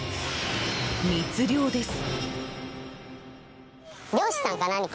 密漁です。